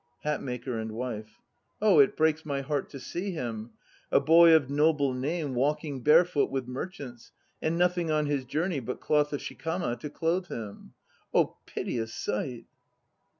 HATMAKER and WIFE. Oh! it breaks my heart to see him! A boy of noble name walking barefoot with merchants, and nothing on his journey but cloth of Shikama to clothe him. Oh! piteous sight!